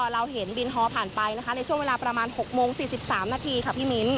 เราเห็นวินท้อผ่านไปช่วงเวลาประมาณ๖โมง๔๓นาที